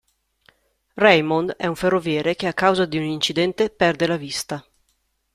Raymond è un ferroviere che a causa di un incidente perde la vista.